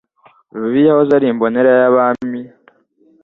Rubibi yahoze ari imbonera y'Abami,